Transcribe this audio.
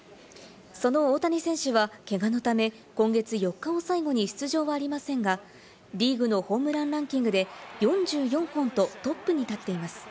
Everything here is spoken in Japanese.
その大谷選手はけがのため、今月４日を最後に出場はありませんがリーグのホームランランキングで４４本とトップに立っています。